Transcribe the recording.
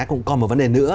cũng còn một vấn đề nữa